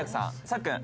さっくん